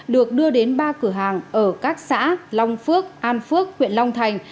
được đưa đến ba cửa hàng ở các xã long phước an phước huyện long thành